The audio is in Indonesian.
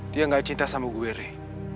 dia gak cinta sama gue rey